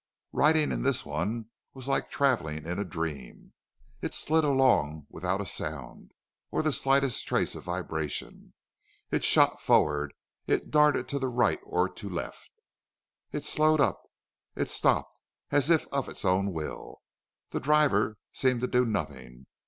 Riding in this one was like travelling in a dream—it slid along without a sound, or the slightest trace of vibration; it shot forward, it darted to right or to left, it slowed up, it stopped, as if of its own will—the driver seemed to do nothing.